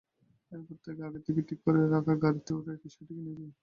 এরপর আগে থেকে ঠিক করে রাখা গাড়িতে করে কিশোরীটিকে নিয়ে যায়।